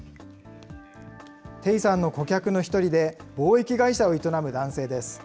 鄭さんの顧客の一人で、貿易会社を営む男性です。